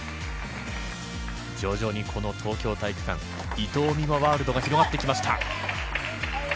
徐々にこの東京体育館、伊藤美誠ワールドが広がってきました。